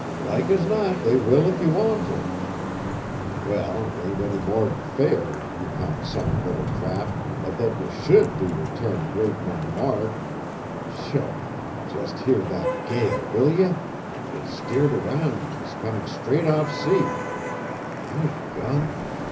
"Like as not they will if ye want t'. Well, 't ain't any more than fair, ye consarned little trap, but that ye should do yer turn at waitin' on Mark. Sho! just hear that gale, will ye! It's steered round an' is comin' straight off sea. By gum!